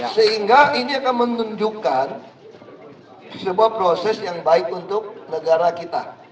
sehingga ini akan menunjukkan sebuah proses yang baik untuk negara kita